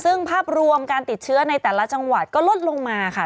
ซึ่งภาพรวมการติดเชื้อในแต่ละจังหวัดก็ลดลงมาค่ะ